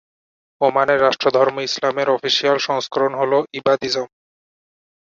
ওমানের রাষ্ট্রধর্ম ইসলামের অফিসিয়াল সংস্করণ হলো ইবাদিজম।